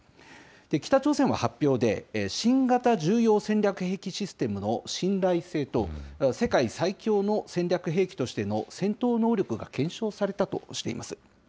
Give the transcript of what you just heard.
北朝鮮は発表で、新型重要戦略兵器システムの信頼性と世界最強の戦略兵器としての戦闘能力が検証されたとしています。